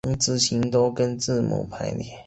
横直行都跟字母排列。